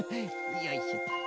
よいしょと。